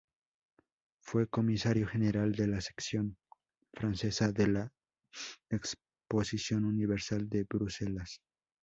Fue comisario general de la sección francesa en la Exposición Universal de Bruselas.